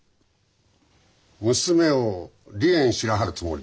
娘を離縁しらはるつもりですか？